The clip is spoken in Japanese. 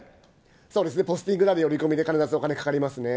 そうですね、ポスティングなり、折り込みで、必ずお金かかりますね。